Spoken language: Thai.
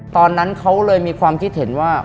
ตอนนั้นเขาเลยมีความคิดเห็นว่า